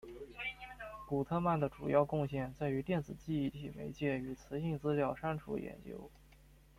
古特曼的主要贡献在于电子记忆体媒介与磁性资料删除研究。